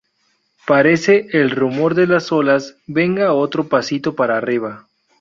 parece el rumor de las olas. venga, otro pasito para arriba.